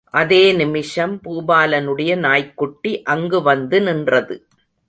அதே நிமிஷம் பூபாலனுடைய நாய்க்குட்டி அங்கு வந்து நின்றது.